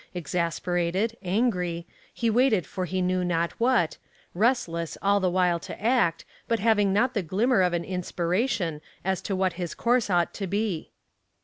Exasperated, angry, he waited for he knew not what, restless all the while to act, but having not the glimmer of an inspiration as to what his course ought to be.